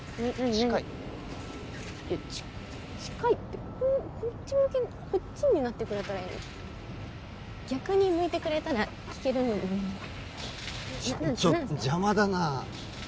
近いよ近いってこうこっち向きこっちになってくれたらいいのに逆に向いてくれたら聞けるのになちょっ邪魔だな何ですか？